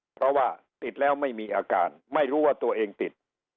เพราะว่าติดแล้วไม่มีอาการไม่รู้ว่าตัวเองติด